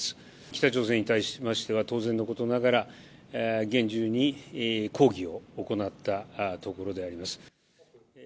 北朝鮮に対しましては当然のことながら、厳重に抗議を行ったところであります。